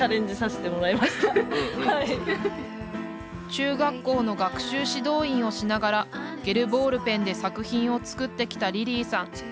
中学校の学習指導員をしながらゲルボールペンで作品を作ってきたリリーさん。